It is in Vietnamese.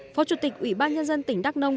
phó chủ tịch ủy ban nhân dân tỉnh đắk nông